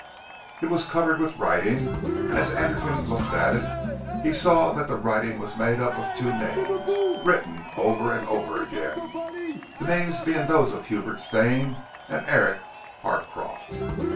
It was covered with writing, and as Anderton looked at it, he saw that the writing was made up of two names, written over and over again, the names being those of Hubert Stane and Eric Harcroft.